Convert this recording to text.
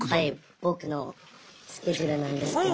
僕のスケジュールなんですけど。